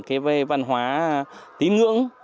cái văn hóa tín ngưỡng